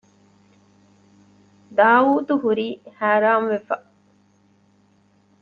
ދާއޫދުހުރީ ހައިރާންވެފަ